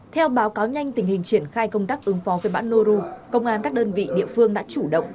theo báo cáo nhanh tình hình triển khai công tác ứng phó với bão nu công an các đơn vị địa phương đã chủ động